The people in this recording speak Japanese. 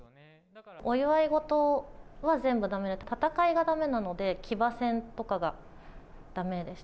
お祝い事は全部だめで、戦いがだめなので、騎馬戦とかがだめでした。